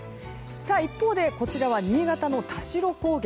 一方で、こちらは新潟の田代高原。